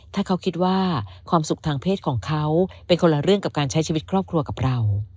ถ้าเขาคิดว่าความสุขทางเพศของเขาเป็นคนละเรื่องกับการใช้ชีวิตครอบครัวกับเรา